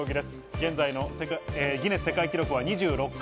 現在のギネス世界記録は２６回。